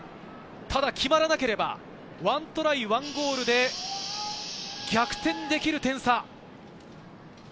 ただ決まらなければ１トライ１ゴールで逆転できる点差。